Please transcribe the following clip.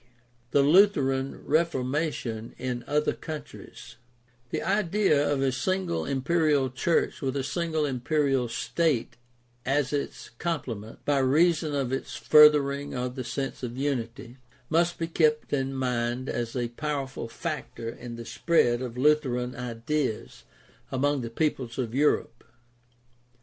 THE LUTHERAN REFORMATION IN OTHER COUNTRIES The idea of a single imperial church with a single imperial state as its complement, by reason of its furthering of the sense of unity, must be kept in mind as a powerful factor in the spread of Lutheran ideas among the peoples of Europe.